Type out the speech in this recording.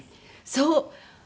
そう！